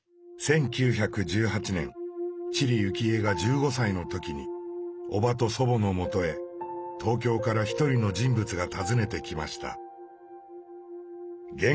１９１８年知里幸恵が１５歳の時に伯母と祖母のもとへ東京から一人の人物が訪ねてきました。